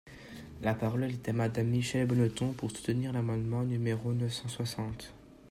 La parole est à Madame Michèle Bonneton, pour soutenir l’amendement numéro neuf cent soixante.